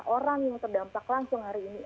orang yang terdampak langsung hari ini